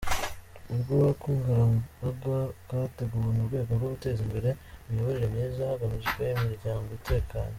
Ubwo bukangurambaga bwateguwe mu rwego rwo guteza imbere imiyoborere myiza hagamijwe imiryango itekanye.